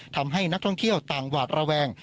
ทำให้นักท่องเที่ยวต่างหวาดระแวง